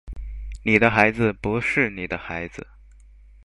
你的孩子不是你的孩子